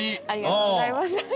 ありがとうございます。